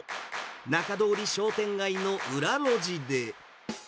なかどおり商店街の裏路地で。